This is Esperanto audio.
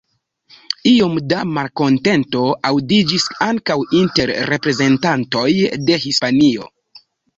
Iom da malkontento aŭdiĝis ankaŭ inter reprezentantoj de Hispanio.